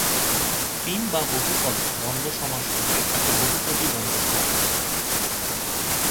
তিন বা বহু পদে দ্বন্দ্ব সমাস হলে তাকে বহুপদী দ্বন্দ্ব সমাস বলে।